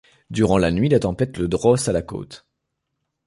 Durant la nuit, la tempête le drosse à la côte.